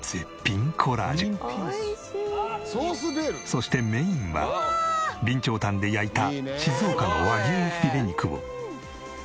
そしてメインは備長炭で焼いた静岡の和牛フィレ肉を。